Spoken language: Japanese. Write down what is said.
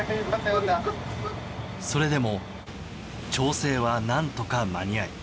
それでも、調整は何とか間に合い